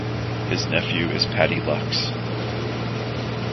His Nephew is Paddy Luckes.